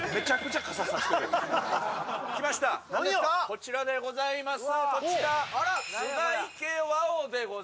こちらでございます。